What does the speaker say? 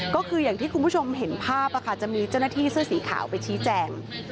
ก็คืออย่างที่คุณผู้ชมเห็นภาพจะมีเจ้าหน้าที่เสื้อสีขาวไปชี้แจง